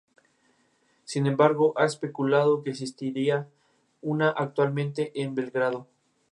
El programa mantiene estadísticas del usuario mediante las cuales permite avanzar al siguiente nivel.